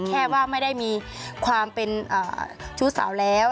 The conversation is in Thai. แค่ว่าไม่ได้มีความเป็นชู้สาวแล้ว